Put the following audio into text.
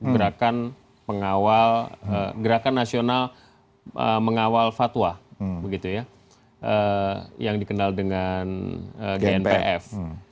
gerakan pengawal gerakan nasional mengawal fatwa yang dikenal dengan gnpf